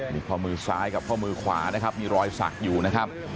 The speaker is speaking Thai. นี่ข้อมือซ้ายกับข้อมือขวานะครับมีรอยสักอยู่นะครับ